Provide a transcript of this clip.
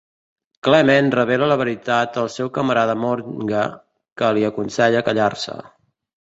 Clement revela la veritat al seu camarada Monge, que li aconsella callar-se.